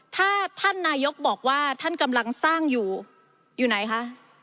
ถ้าท่านนายกบอกว่าท่านกำลังสร้างอยู่อยู่ไหนคะ